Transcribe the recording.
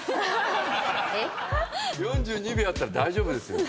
４２秒あったら大丈夫ですよ。